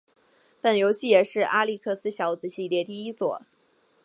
本游戏也是阿历克斯小子系列第一作。